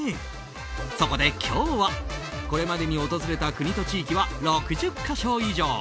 そこで今日はこれまでに訪れた国と地域は６０か所以上。